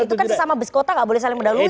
itu kan sesama beskota gak boleh saling menaruhi